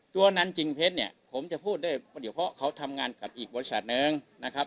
ตัวนั้นจริงเพชรเนี่ยผมจะพูดได้ว่าเดี๋ยวเพราะเขาทำงานกับอีกบริษัทหนึ่งนะครับ